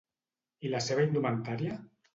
I la seva indumentària?